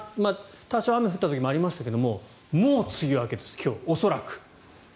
多少雨が降った時もありましたけどもう梅雨明けです今日、恐らく。